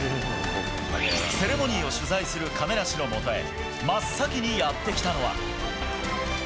セレモニーを取材する亀梨のもとへ真っ先にやって来たのは。